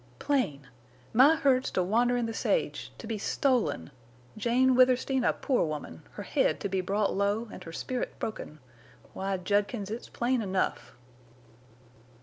"Plain!... My herds to wander in the sage—to be stolen! Jane Withersteen a poor woman! Her head to be brought low and her spirit broken!... Why, Judkins, it's plain enough."